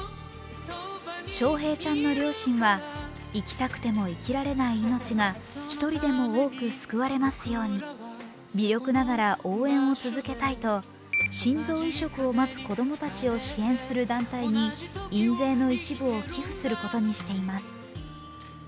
翔平ちゃんの両親は、生きたくても生きられない命が１人でも多く救われますように微力ながら応援を続けたいと心臓移植を待つ子供たちを支援する団体に印税の一部を寄付することにしています。